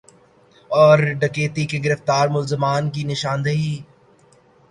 اور ڈکیتی کے گرفتار ملزمان کی نشاندہی